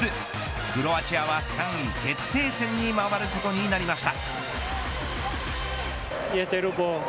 クロアチアは、３位決定戦に回ることになりました。